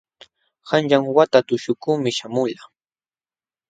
Qanyan wata tuśhukuqmi śhamulqaa.